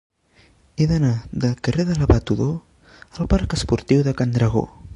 He d'anar del carrer de l'Abat Odó al parc Esportiu de Can Dragó.